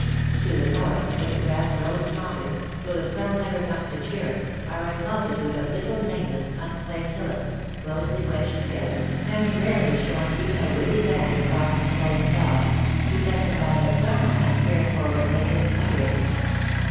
To the north, where the grass grows strongest, though the sun never comes to cheer it, are a multitude of little nameless, un claimed hillocks, closely wedged together, and rarely showing even a withy band across the swelling sod, to testify that some one has cared for what lay hidden under it.